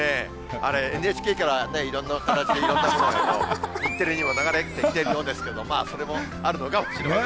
あれ、ＮＨＫからいろんな形でいろんなものを日テレにも流れてきているようですけれども、それもあるのかもしれない。